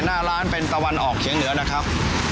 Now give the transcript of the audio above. หน้าร้านเป็นตะวันออกเฉียงเหนือนะครับ